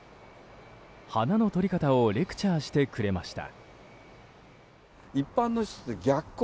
花の撮り方をレクチャーしてくれました。